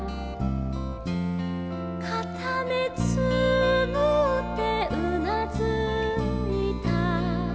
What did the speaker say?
「かためつむってうなずいた」